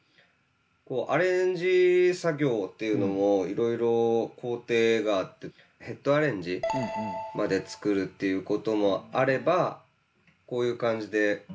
アレンジ作業っていうのもいろいろ工程があってヘッド・アレンジまで作るっていうこともあればこういう感じで。